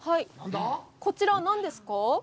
こちらは何ですか？